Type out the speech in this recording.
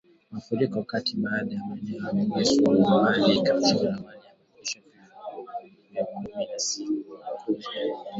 Mafuriko katika baadhi ya maeneo ya Bugisu, Mbale na Kapchorwa awali yalisababisha vifo vya watu kumi siku ya Jumapili